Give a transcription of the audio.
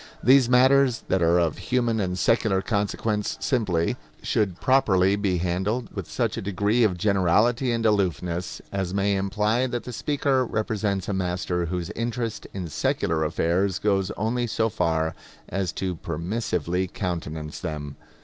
These matters that are of human and secular consequence simply, should properly be handled with such a degree of generality and aloofness as may imply that the speaker represents a master whose interest in secular affairs goes only so far as to permissively countenance them.